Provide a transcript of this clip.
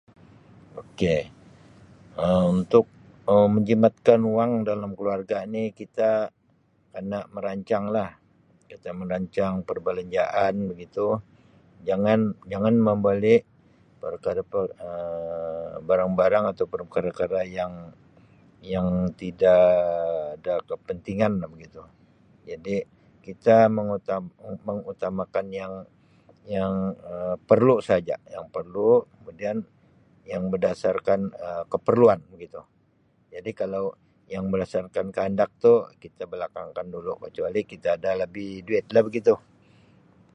Ok untuk menjimatkan wang dalam keluarga ni kita kena merancanglah kita merancang perbelanjaan begitu jangan jangan membeli perkara-perkara baran-barang ataupun perkara-perkara yang yang tidak ada kepentinganlah begitu jadi kita mengutama mengutamakan yang yang[Um] perlu sahaja yang perlu kemudian yang berdasarkan keperluan begitu jadi yang berdasarkan kehendak tu kita belakangkan dulu kecuali kita ada lebih duitlah begitu.